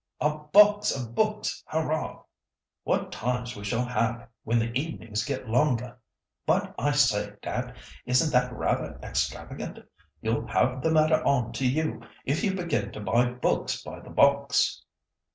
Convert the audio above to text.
"A box of books! Hurrah! What times we shall have, when the evenings get longer. But, I say, dad! isn't that rather extravagant? You'll have the mater on to you if you begin to buy books by the box."